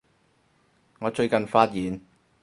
我最近發現